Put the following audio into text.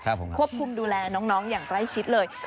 ควบคุมดูแลน้องอย่างใกล้ชิดเลย